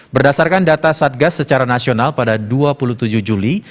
berdasarkan data satgas secara nasional pada dua puluh tujuh juli